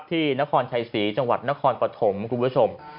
นครชัยศรีจังหวัดนครปฐมคุณผู้ชม